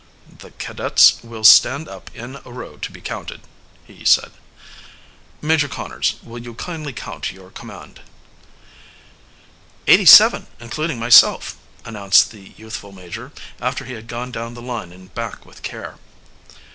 "The cadets will stand up in a row to be counted," he said. "Major Conners, will you will kindly count your command." "Eighty seven, including myself," announced the youthful major, after he had gone down the line and back with care.